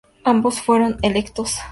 Ambos fueron electos.